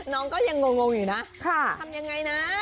น้องก็ยังงงอยู่นะจะทำยังไงนะ